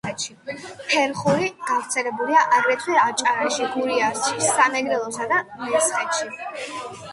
ფერხული გავრცელებულია აგრეთვე რაჭაში, გურიაში, სამეგრელოსა და მესხეთში.